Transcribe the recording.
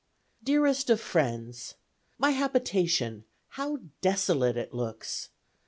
"DEAREST OF FRIENDS, My habitation, how desolate it looks!